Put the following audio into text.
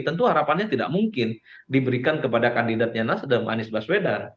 tentu harapannya tidak mungkin diberikan kepada kandidatnya nasdem anies baswedan